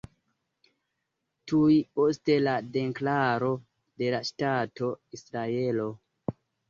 Tuj post la deklaro de la ŝtato Israelo.